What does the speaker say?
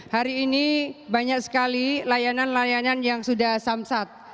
hari ini banyak sekali layanan layanan yang sudah samsat